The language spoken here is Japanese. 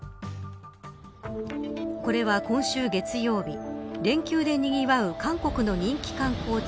これは、今週月曜日連休でにぎわう韓国の人気観光地